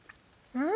うん。